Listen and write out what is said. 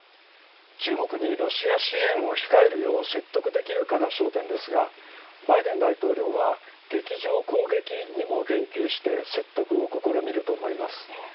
中国にロシア支援を控えるよう説得できるかが焦点ですがバイデン大統領は劇場攻撃にも言及して説得を試みると思います。